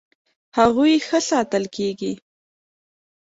هغوی ښه ساتل کیږي.